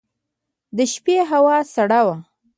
د شپې هوا سړه وه.